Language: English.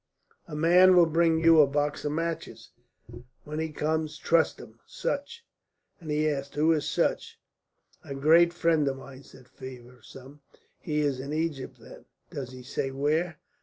"A man will bring to you a box of matches. When he comes trust him. Sutch." And he asked, "Who is Sutch?" "A great friend of mine," said Feversham. "He is in Egypt, then! Does he say where?"